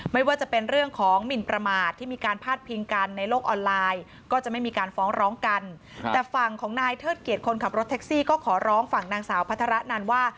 ไม่ว่าจะเป็นเรื่องของหมินประมาทที่มีการพาดพิงกันในโลกออนไลน์